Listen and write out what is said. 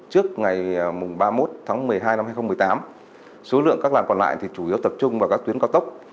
trước ngày ba mươi một tháng một mươi hai năm hai nghìn một mươi tám số lượng các làn còn lại thì chủ yếu tập trung vào các tuyến cao tốc